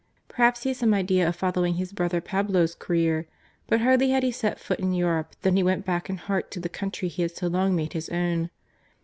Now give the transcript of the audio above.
Perhaps he had some idea of following his brother Pablo's career; but hardly had he set foot in Europe than he went back in heart to the country he had so long made his own.